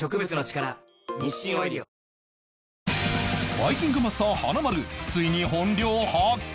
バイキングマスター華丸ついに本領発揮！